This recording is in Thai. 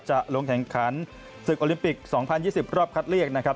จะลงแข่งขันศึกโอลิมปิก๒๐๒๐รอบคัดเลือกนะครับ